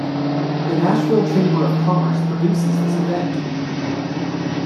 The Nashville Chamber of Commerce produces this event.